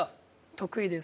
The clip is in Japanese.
得意です。